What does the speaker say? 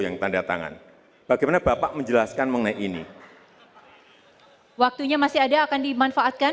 yang tanda tangan bagaimana bapak menjelaskan mengenai ini waktunya masih ada akan dimanfaatkan